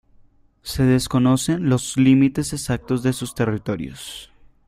Se desconocen los límites exactos de sus territorios.